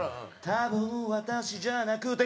「多分、私じゃなくて」